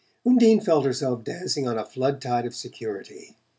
Undine felt herself dancing on a flood tide of security.